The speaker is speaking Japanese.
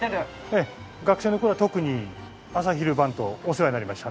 ええ学生の頃は特に朝昼晩とお世話になりましたので。